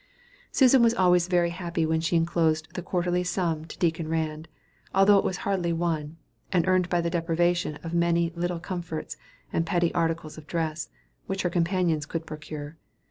Susan was always very happy when she enclosed the quarterly sum to Deacon Rand, although it was hardly won, and earned by the deprivation of many little comforts, and pretty articles of dress, which her companions could procure.